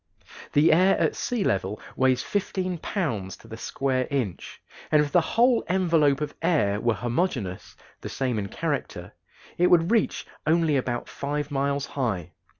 The air at sea level weighs fifteen pounds to the square inch, and if the whole envelope of air were homogeneous the same in character it would reach only about five miles high.